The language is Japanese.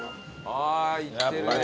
あいってるね。